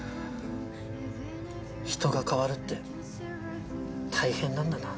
人が変わるって大変なんだな。